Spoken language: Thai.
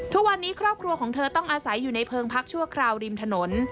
ทุกวันนี้ครอบครัวของเธอต้องอาศัยอยู่ในเพิงพักชั่วคราวริมถนน